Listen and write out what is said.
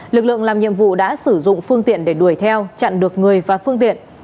lực lượng làm nhiệm vụ đã sử dụng phương tiện để đuổi theo chặn được người và phương tiện